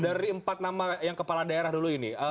dari empat nama yang kepala daerah dulu ini